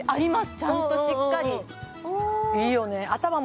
ちゃんとしっかりいいよね